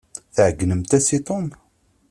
Tɛegnemt-as i Tom?